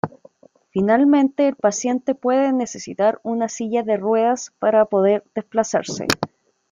Finalmente el paciente puede necesitar una silla de ruedas para poder desplazarse.